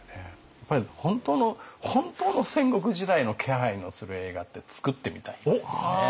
やっぱり本当の本当の戦国時代の気配のする映画って作ってみたいですよね。